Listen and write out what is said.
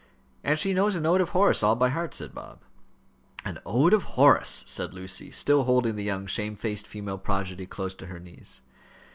"And she knows an ode of Horace all by heart," said Bob. "An ode of Horace!" said Lucy, still holding the young shamefaced female prodigy close to her knees.